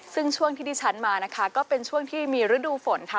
ซึ่งช่วงที่ดิฉันมานะคะก็เป็นช่วงที่มีฤดูฝนค่ะ